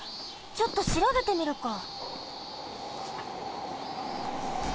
ちょっとしらべてみるか。